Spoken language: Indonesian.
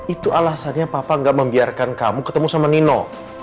itu alasannya papa gak membiarkan kamu ketemu sama nino